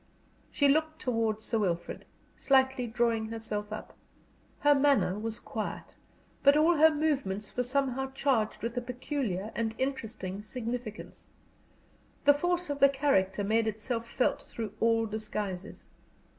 She looked towards Sir Wilfrid, slightly drawing herself up. Her manner was quiet, but all her movements were somehow charged with a peculiar and interesting significance. The force of the character made itself felt through all disguises.